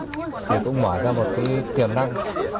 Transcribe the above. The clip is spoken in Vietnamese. chúng tôi cũng mở ra một tiềm năng